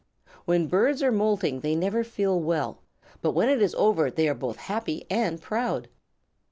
When birds are moulting they never feel well, and when it is over they are both happy and proud.